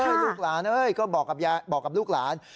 ลูกหลานเอ้ยก็บอกกับลูกหลาน